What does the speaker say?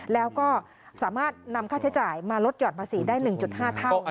แล้วก็สามารถนำค่าใช้จ่ายมาลดหย่อนภาษีได้๑๕เท่า